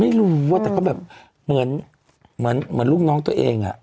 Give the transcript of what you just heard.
ไม่รู้ว่าแต่ก็แบบเหมือนเหมือนลูกน้องตัวเองอ่ะ